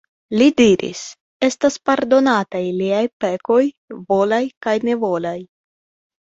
Li diris: "Estas pardonataj liaj pekoj volaj kaj nevolaj."